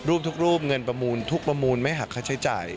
ทุกรูปเงินประมูลทุกประมูลไม่หักค่าใช้จ่าย